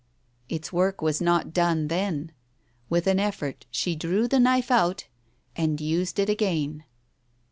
Its work was not done then. With an effort she drew the knife out and used it again.